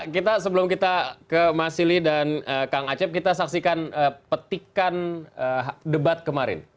kita sebelum kita ke mas silih dan kang acep kita saksikan petikan debat kemarin